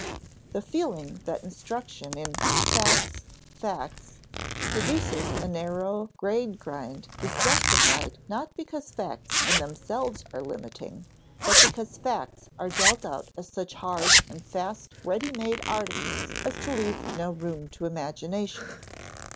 The feeling that instruction in "facts, facts" produces a narrow Gradgrind is justified not because facts in themselves are limiting, but because facts are dealt out as such hard and fast ready made articles as to leave no room to imagination.